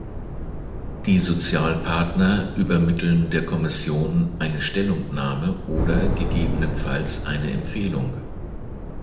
Die Sozialpartner übermitteln der Kommission eine Stellungnahme oder gegebenenfalls eine Empfehlung.